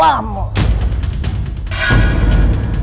ya apa pendulimu dengan kami